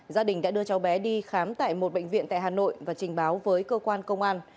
gia đình đã đưa cháu bé đi khám tại một bệnh viện tại hà nội và trình báo với cơ quan công an